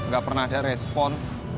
gak pernah ada respon